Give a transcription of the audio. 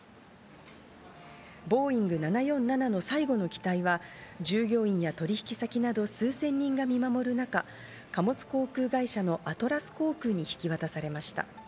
ボーイング７４７の最後の機体は従業員や取引先など数千人が見守る中、貨物航空会社のアトラス航空に引き渡されました。